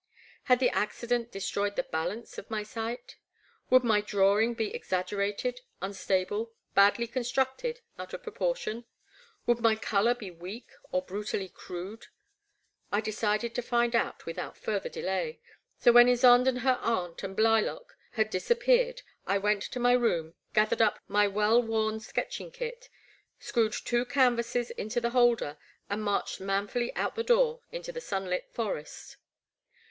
Had the acddent destroyed the balance of my sight ? Would my drawing be exaggerated, unstable, badly constructed, out of proportion ? Would my colour be weak or brutally crude ? I decided to find out without further delay, so when Ysonde and her aunt and Blylock had disappeared, I went to my room, gathered up my well worn sketching kit, screwed two canvases into the holder, and marched manftdly out the door into the sunlit forest.